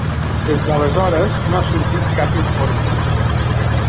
Des d'aleshores, no ha sortit cap informe.